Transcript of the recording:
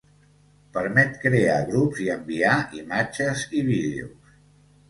Permet crear grups i enviar imatges i vídeos.